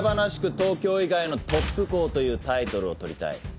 東京以外の「トップ校」というタイトルを取りたい。